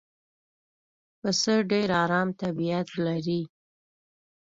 پسه ډېر آرام طبیعت لري.